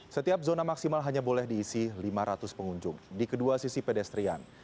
setiap zona maksimal hanya boleh diisi lima ratus pengunjung di kedua sisi pedestrian